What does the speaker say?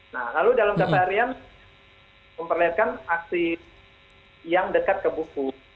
nah lalu dalam data harian memperlihatkan aksi yang dekat ke buku